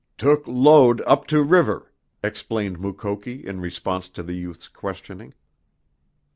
"Took load up to river," explained Mukoki in response to the youth's questioning.